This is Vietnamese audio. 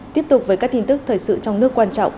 tiếp tục với các tin tức thời sự trong nước quan trọng